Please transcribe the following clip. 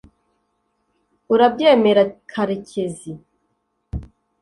urabyemera, karekezi